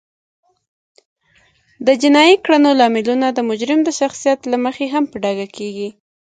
د جینایي کړنو لاملونه د مجرم د شخصیت له مخې هم په ډاګه کیږي